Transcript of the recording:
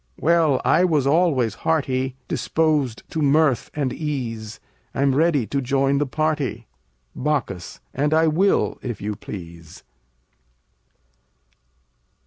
Well, I was always hearty, Disposed to mirth and ease: I'm ready to join the party. Bac. And I will if you please.